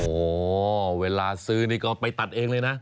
โอ้โหเวลาซื้อนี่ก็ไปตัดเองเลยนะ